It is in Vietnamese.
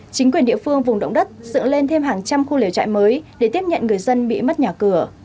chính quyền địa phương vùng động đất dựng lên thêm hàng trăm khu liều trại mới để tiếp nhận người dân bị mất nhà cửa